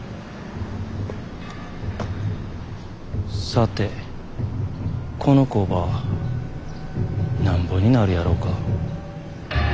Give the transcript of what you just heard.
さてこの工場なんぼになるやろか。